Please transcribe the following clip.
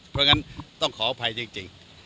เพราะฉะนั้นต้องขออภัยจริง